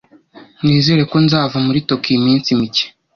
Nizere ko nzava muri Tokiyo iminsi mike.